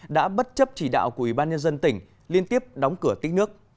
đã bất chấp chỉ đạo của ủy ban nhân dân tỉnh liên tiếp đóng cửa tích nước